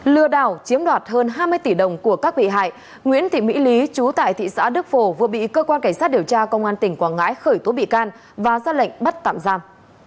lừa đảo chiếm đoạt hơn hai mươi tỷ đồng của các bị hại nguyễn thị mỹ lý chú tại thị xã đức phổ vừa bị cơ quan cảnh sát điều tra công an tỉnh quảng ngãi khởi tố bị can và ra lệnh bắt tạm giam